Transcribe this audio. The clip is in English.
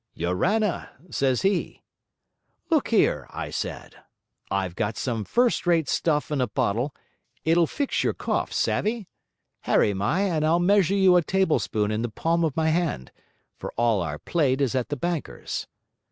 "Yorana!" says he. "Look here," I said, "I've got some first rate stuff in a bottle; it'll fix your cough, savvy? Haere mai and I'll measure you a tablespoonful in the palm of my hand, for all our plate is at the bankers."